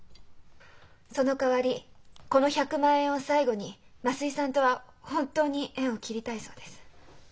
そのかわりこの１００万円を最後に増井さんとは本当に縁を切りたいそうです。